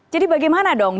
jadi bagaimana dong